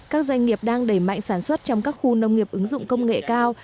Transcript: các doanh nghiệp đang đẩy mạnh sản xuất trong các khu nông nghiệp ứng dụng công nghệ cao